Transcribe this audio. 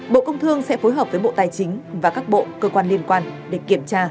bộ công thương sẽ phối hợp với bộ tài chính và các bộ cơ quan liên quan để kiểm tra